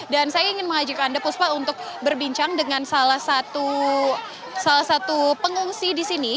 dan saya ingin mengajak anda puspa untuk berbincang dengan salah satu pengungsi di sini